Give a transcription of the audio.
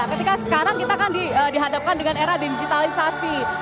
ketika sekarang kita kan dihadapkan dengan era digitalisasi